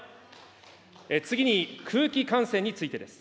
次に空気感染についてです。